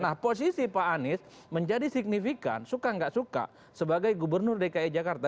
nah posisi pak anies menjadi signifikan suka nggak suka sebagai gubernur dki jakarta